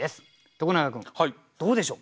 徳永君どうでしょうか？